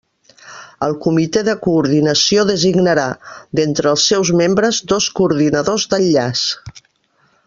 El Comité de Coordinació designarà, d'entre els seus membres, dos coordinadors d'enllaç.